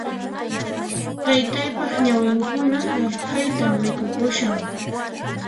Taytaypaq ñawinkuna arphaytan rikupushan